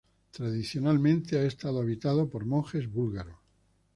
Tradicionalmente ha estado habitado por monjes búlgaros.